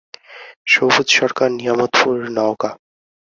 সবুজ সরকার নিয়ামতপুর, নওগাঁ।